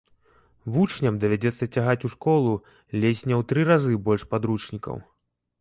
Вучням давядзецца цягаць у школу ледзь не ў тры разы больш падручнікаў.